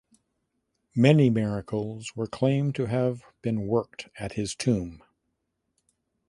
Many miracles were claimed to have been worked at his tomb.